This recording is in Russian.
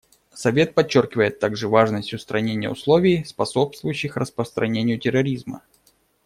Совет подчеркивает также важность устранения условий, способствующих распространению терроризма.